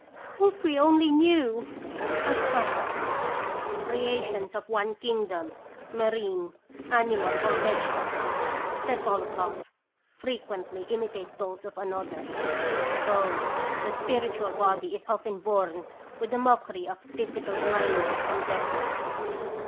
" If we only knew !" I cried. 198 01 <&>raci0ns Visitation. " Creations of one kingdom, marine, animal, or vegetable, " said Volokhoff, "frequently imitate those of another. So the spiritual body is often born with a mockery of physical blindness and deafness."